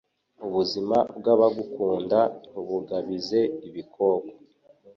Ubuzima bw’abagukunda ntubugabize ibikoko